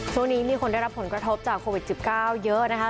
ช่วงนี้มีคนได้รับผลกระทบจากโควิด๑๙เยอะนะคะ